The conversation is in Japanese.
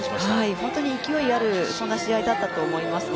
本当に勢いある試合だったと思いますね。